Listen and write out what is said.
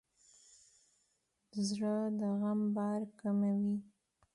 زړه د غم بار کموي.